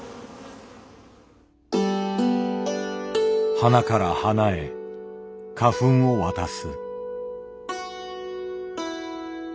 花から花へ花粉を渡す。